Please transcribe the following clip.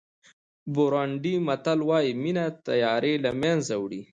بورونډي متل وایي مینه تیارې له منځه وړي.